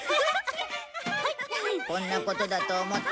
こんなことだと思った。